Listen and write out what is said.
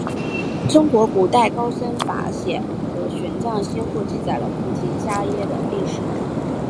中国古代高僧法显和玄奘先后记载了菩提伽耶的历史。